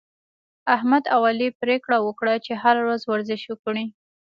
احمد او علي پرېکړه وکړه، چې هره ورځ ورزش وکړي